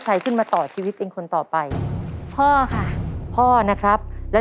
ใครขึ้นมาต่อชีวิตเป็นคนต่อไปพ่อค่ะพ่อนะครับแล้ว